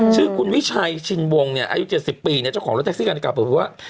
ชื่อคุณวิชัยชินวงศ์อายุ๗๐ปีเจ้าของรถแท็กซี่คันตั้งเก่าบอกว่า